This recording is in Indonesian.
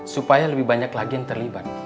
supaya lebih banyak lagi yang terlibat